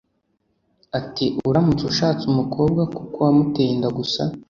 Ati “Uramutse ushatse umukobwa kuko wamuteye inda gusa